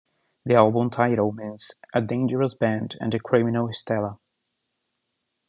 The album title means "A dangerous band and the criminal Stella".